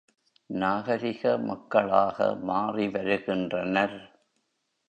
நாகரிக மக்களாக மாறிவருகின்றனர்.